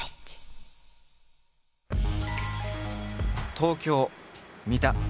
東京三田。